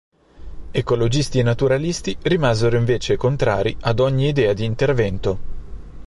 Ecologisti e naturalisti rimasero invece contrari ad ogni idea di intervento.